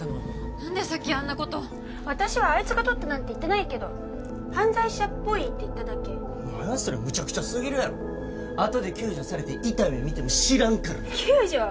何でさっきあんなこと私はあいつがとったなんて言ってないけど犯罪者っぽいって言っただけ何やそれむちゃくちゃすぎるやろあとで救助されて痛い目見ても知らんからな救助？